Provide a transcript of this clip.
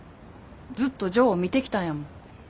ずっとジョーを見てきたんやもん。